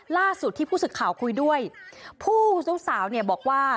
ล่าสุดที่ผู้สื่อข่าวคุยด้วยผู้เจ้าสาวเนี่ยบอกว่า